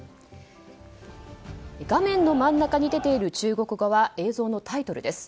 画面の真ん中に出ている中国語は映像のタイトルです。